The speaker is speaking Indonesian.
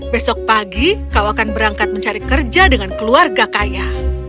besok pagi kau akan berangkat mencari kerja dengan keluarga kaya